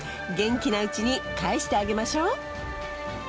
元気なうちに帰してあげましょう。